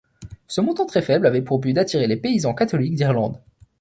Ce montant très faible avait pour but d'attirer les paysans catholiques d'Irlande.